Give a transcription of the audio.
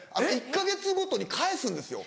１か月ごとに返すんですよ。